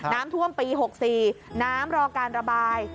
น้ำท่วมปี๖๔น้ำรอการระบาย